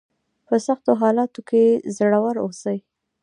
په سختو حالاتو کې زړور اوسئ.